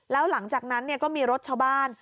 แล้วหลังจากนั้นก็มีรถชาวบ้าน